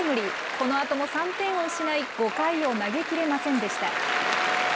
このあとも３点を失い、５回を投げきれませんでした。